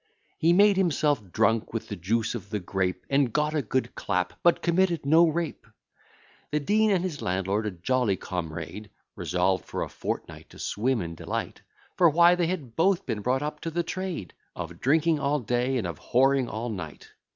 He made himself drunk with the juice of the grape, And got a good clap, but committed no rape. The dean, and his landlord, a jolly comrade, Resolved for a fortnight to swim in delight; For why, they had both been brought up to the trade Of drinking all day, and of whoring all night.